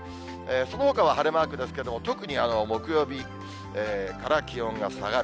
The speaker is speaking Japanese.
そのほかは晴れマークですけれども、特に木曜日から気温が下がる。